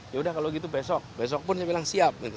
yaudah kalau gitu besok besok pun saya bilang siap